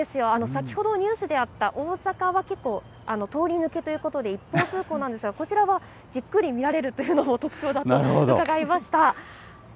先ほどニュースであった、大阪は結構、通り抜けということで、一方通行なんですが、こちらはじっくり見られるというのも特徴だと伺いました。